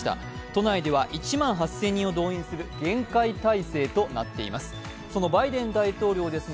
都内では１万８０００人を動員する厳戒態勢となっています。